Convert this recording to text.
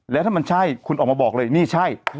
แล้วถ้ามันใช่คุณออกมาบอกเลยนี่ใช่